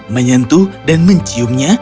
menyentuh dan menciumnya